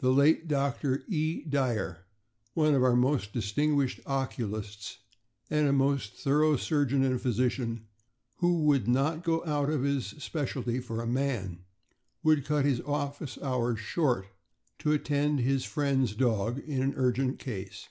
The late Dr. E. Dyer, one of our most distinguished oculists, and a most thorough surgeon and physician, who would not go out of his specialty for a man, would cut his office hours short to attend his friend's dog in an urgent case.